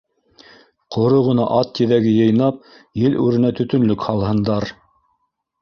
Ҡоро ғына ат тиҙәге йыйнап ел үренә төтөнлөк һалһындар.